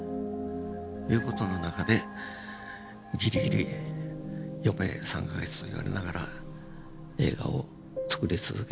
いう事の中でギリギリ余命３か月と言われながら映画をつくり続けていますと。